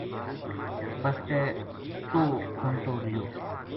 بسطے ٹوہ کھنتو رہیو